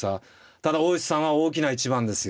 ただ大石さんは大きな一番ですよ。